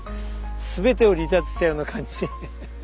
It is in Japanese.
全てを離脱したような感じ。